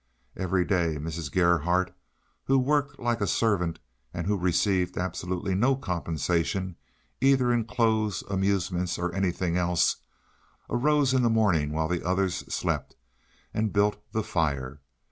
Every day Mrs. Gerhardt, who worked like a servant and who received absolutely no compensation either in clothes, amusements, or anything else, arose in the morning while the others slept, and built the fire.